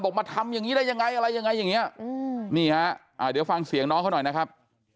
มาทำอย่างนี้ได้ยังไงอะไรยังไงอย่างนี้นี่ฮะอ่าเดี๋ยวฟังเสียงน้องเขาหน่อยนะครับ